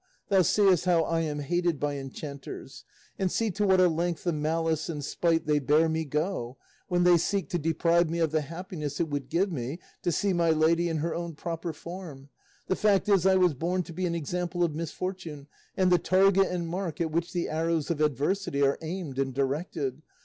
thou seest how I am hated by enchanters! And see to what a length the malice and spite they bear me go, when they seek to deprive me of the happiness it would give me to see my lady in her own proper form. The fact is I was born to be an example of misfortune, and the target and mark at which the arrows of adversity are aimed and directed.